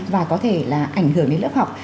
và có thể là ảnh hưởng đến lớp học